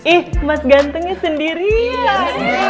ih mas gantengnya sendirian